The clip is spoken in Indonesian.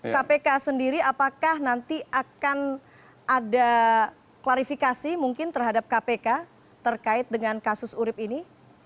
kpk sendiri apakah nanti akan ada klarifikasi mungkin terhadap kpk terkait dengan kasus urip ini